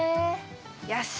よし！